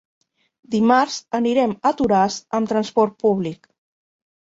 Dimarts anirem a Toràs amb transport públic.